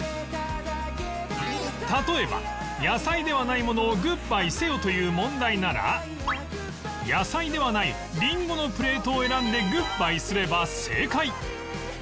例えば野菜ではないものをグッバイせよという問題なら野菜ではないリンゴのプレートを選んでグッバイすれば正解